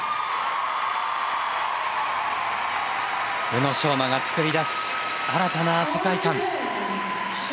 宇野昌磨が作り出す新たな世界観。